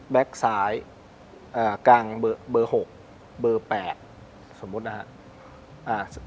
แบ็คซ้ายอ่ากลางเบอร์เบอร์หกเบอร์แปดสมมุตินะฮะอ่า